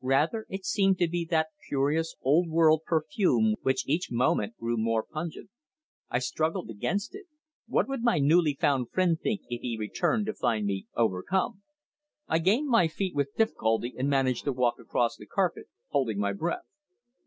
Rather it seemed to be that curious old world perfume which each moment grew more pungent. I struggled against it. What would my newly found friend think if he returned to find me overcome? I gained my feet with difficulty and managed to walk across the carpet, holding my breath.